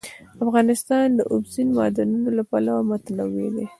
افغانستان د اوبزین معدنونه له پلوه متنوع دی.